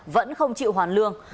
vẫn không chịu hoàn lương